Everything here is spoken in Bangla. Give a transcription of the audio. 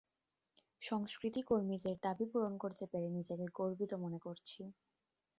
সংস্কৃতি কর্মীদের দাবি পূরণ করতে পেরে নিজেকে গর্বিত মনে করছি।